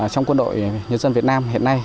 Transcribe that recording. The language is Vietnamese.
trong quân đội nhân dân việt nam hiện nay